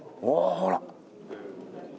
ほら。